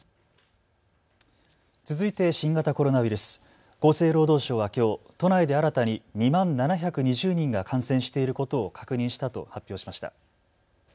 続いて新型コロナウイルス、厚生労働省はきょう都内で新たに２万７２０人が感染していることを確認したと発表しました。